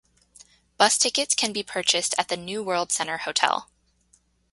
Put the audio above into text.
Bus tickets can be purchased at the New World Centre Hotel.